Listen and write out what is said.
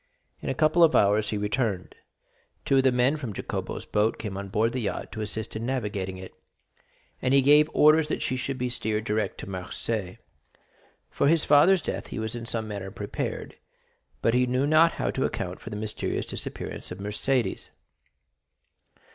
In a couple of hours he returned. Two of the men from Jacopo's boat came on board the yacht to assist in navigating it, and he gave orders that she should be steered direct to Marseilles. For his father's death he was in some manner prepared; but he knew not how to account for the mysterious disappearance of Mercédès.